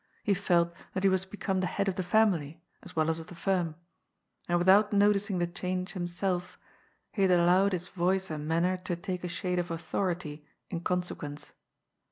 He felt that he was become the head of the family as well as of the firm. And without noticing the change himself he had allowed his voice and manner to take a shade of authority in conse quence.